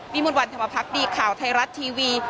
มวลวันธรรมพักดีข่าวไทยรัฐทีวี